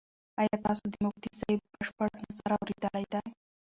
ایا تاسو د مفتي صاحب بشپړ نظر اورېدلی دی؟